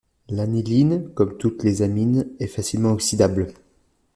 L'aniline, comme toutes les amines, est facilement oxydable.